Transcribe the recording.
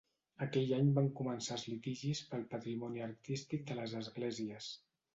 Aquell any van començar els litigis pel patrimoni artístic de les esglésies.